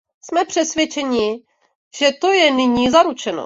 Jsme přesvědčeni, že to je nyní zaručeno.